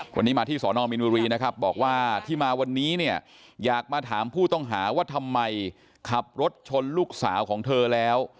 วันนี้มาที่สอนอมินบุรีนะครับบอกว่าที่มาวันนี้เนี่ยอยากมาถามผู้ต้องหาว่าทำไมขับรถชนลูกสาวของเธอแล้ว